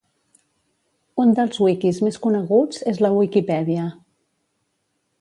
Un dels wikis més coneguts és la Wikipedia.